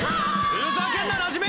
ふざけんななじみ！